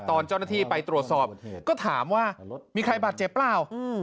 ตอนเจ้าหน้าที่ไปตรวจสอบก็ถามว่ามีใครบาดเจ็บเปล่า